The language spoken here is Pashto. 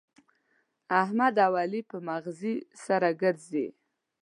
احمد او علي په مغزي سره ګرزي.